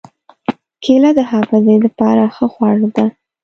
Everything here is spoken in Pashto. کېله د حافظې له پاره ښه خواړه ده.